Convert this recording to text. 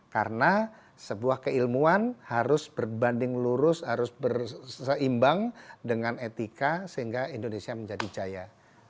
karena sebuah keilmuan harus berbanding lurus harus berseimbang dengan etika sehingga indonesia menjadi jaya